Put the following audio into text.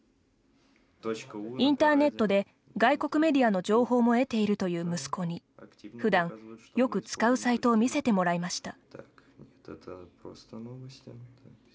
インターネットで外国メディアの情報も得ているという息子にふだん、よく使うサイトを見せてもらいました。